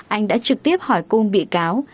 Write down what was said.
anh đã trực tiếp hỏi cung bị cáo